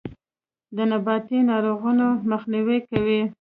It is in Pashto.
د نباتي ناروغیو مخنیوی کوي.